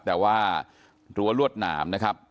รั้วว่ารวดหน่ามนะครับ